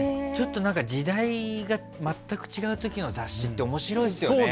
時代が全く違う時の雑誌って面白いですよね。